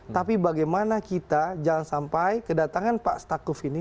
tapi bagaimana kita jangan sampai kedatangan pak stakuf ini